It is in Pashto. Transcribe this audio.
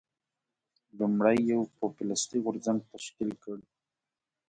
لومړی یو پوپلیستي غورځنګ تشکیل کړ.